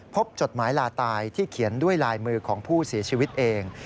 จดหมายลาตายที่เขียนด้วยลายมือของผู้เสียชีวิตเอง